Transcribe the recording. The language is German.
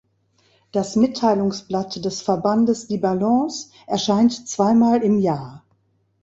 Das Mitteilungsblatt des Verbandes, die „Balance“, erscheint zweimal im Jahr.